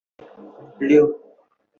病情只是每下愈况